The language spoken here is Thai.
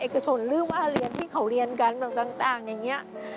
เอกชนหรือว่าเรียนที่เขาเรียนกันต่างอย่างนี้